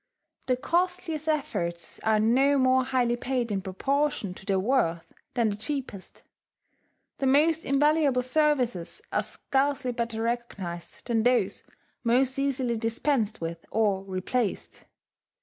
The costliest efforts are no more highly paid in proportion to their worth than the cheapest; the most invaluable services are scarcely better recognized than those most easily dispensed with or replaced.